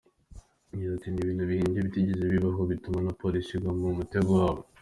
Yagize ati “Ni ibintu bahimbye bitigeze bibaho, bituma na Polisi igwa mu mutego wabo.